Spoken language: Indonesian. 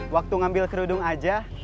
waktu ngambil kerudung aja